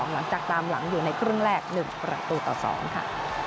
หลังจากตามหลังอยู่ในครึ่งแรก๑ประตูต่อ๒ค่ะ